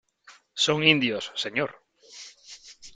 son indios , señor ...